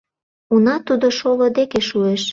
Уна тудо шоло деке шуэш.